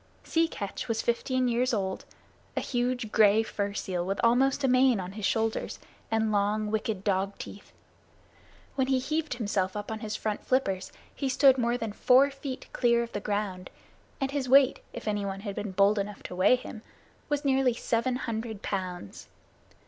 Sea Catch was fifteen years old, a huge gray fur seal with almost a mane on his shoulders, and long, wicked dog teeth. When he heaved himself up on his front flippers he stood more than four feet clear of the ground, and his weight, if anyone had been bold enough to weigh him, was nearly seven hundred pounds.